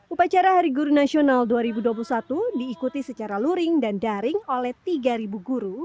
upacara hari guru nasional dua ribu dua puluh satu diikuti secara luring dan daring oleh tiga guru